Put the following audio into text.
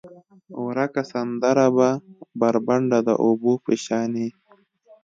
ورکه سندره به، بربنډه د اوبو په شانې،